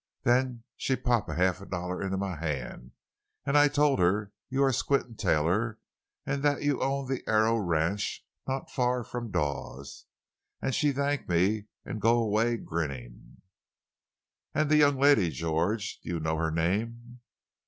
Then she pop half a dollar in my hand, an' I tole her you are Squint Taylor, an' that you own the Arrow ranch, not far from Dawes. An' she thank me an' go away, grinnin'." "And the young lady, George; do you know her name?"